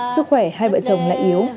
sức khỏe hai vợ chồng lại yếu